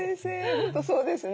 本当そうですね。